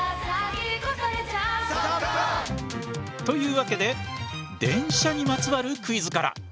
というわけで電車にまつわるクイズから。